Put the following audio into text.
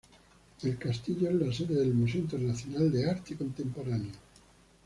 El castillo es la sede del Museo Internacional de Arte Contemporáneo.